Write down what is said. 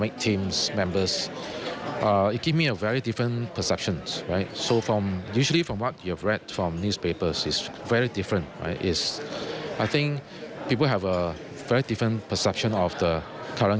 กรรมการและผู้จัดการตลาดหลักทรัพย์แห่งประเทศไทย